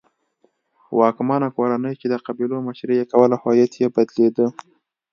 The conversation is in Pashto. واکمنه کورنۍ چې د قبیلو مشري یې کوله هویت یې بدلېده.